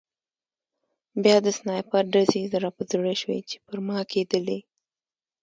بیا د سنایپر ډزې را په زړه شوې چې پر ما کېدلې